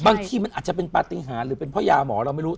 บางทีมันอาจจะเป็นปฏิหารหรือเป็นเพราะยาหมอเราไม่รู้